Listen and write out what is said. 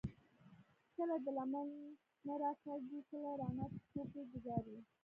کله د لمن نه راکاږي، کله رانه ټوپۍ ګوذاري ـ